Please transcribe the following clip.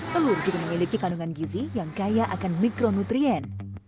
telur juga memiliki kandungan gizi yang kaya akan mikronutrien